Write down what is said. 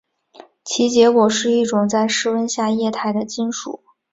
其结果是一种在室温下液态的金属。